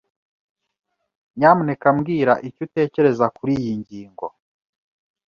Nyamuneka mbwira icyo utekereza kuriyi ngingo.